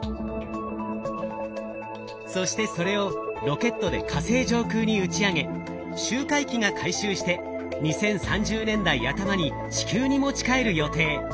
そしてそれをロケットで火星上空に打ち上げ周回機が回収して２０３０年代頭に地球に持ち帰る予定。